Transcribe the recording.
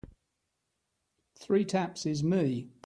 Three taps is me.